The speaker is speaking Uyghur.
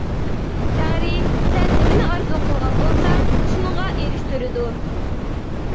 تەڭرى سەن نېمىنى ئارزۇ قىلغان بولساڭ، شۇنىڭغا ئېرىشتۈرىدۇ.